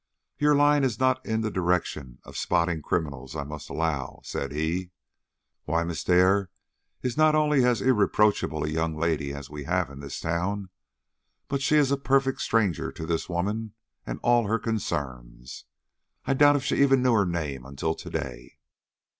"Your line is not in the direction of spotting criminals, I must allow," said he. "Why, Miss Dare is not only as irreproachable a young lady as we have in this town, but she is a perfect stranger to this woman and all her concerns. I doubt if she even knew her name till to day."